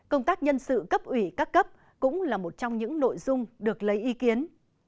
công tác nhân sự cấp ủy các cấp cũng là một trong những nội dung được lấy ý kiến